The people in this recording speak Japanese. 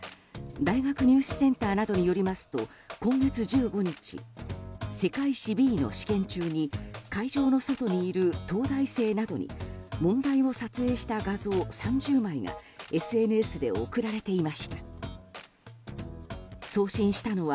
大学入試センターなどによりますと、今月１５日世界史Ｂの試験中に会場の外にいる東大生などに問題を撮影した画像３０枚がＳＮＳで送られていました。